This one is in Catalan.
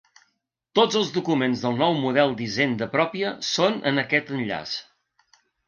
Tots els documents del nou model d’hisenda pròpia són en aquest enllaç.